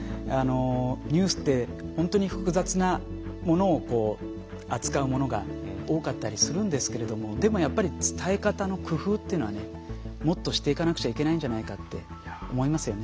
ニュースって本当に複雑なものを扱うものが多かったりするんですけれどもでもやっぱり伝え方の工夫っていうのはねもっとしていかなくちゃいけないんじゃないかって思いますよね。